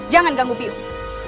jangan ganggu biong